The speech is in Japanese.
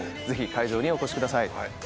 ぜひ会場にお越しください。